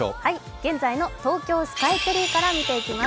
現在の東京スカイツリーから見ていきます。